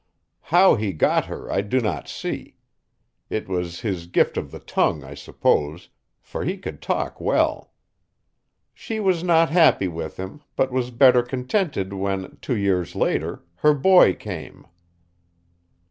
How he got her I do not see. It was his gift of the tongue, I suppose, for he could talk well. She was not happy with him, but was better contented when, two years later, her boy came.